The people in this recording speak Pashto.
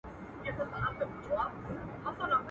کم اصل ګل که بویوم ډک دي باغونه.